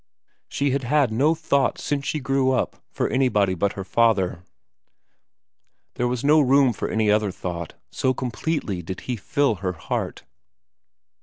She had had no thought since she grew up for anybody but her father. There was no room for any other thought, so completely did he fill her heart.